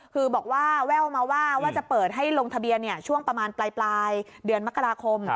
คือบอกว่าแว่วมาว่าจะเปิดให้ลงทะเบียนช่วงประมาณปลายเดือนมกราคม